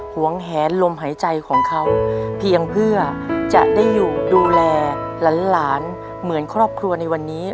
หวงแหนลมหายใจของเขาเพียงเพื่อจะได้อยู่ดูแลหลานเหมือนครอบครัวในวันนี้